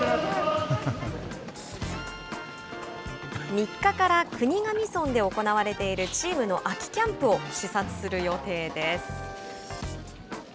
３日から国頭村で行われているチームの秋のキャンプを視察する予定です。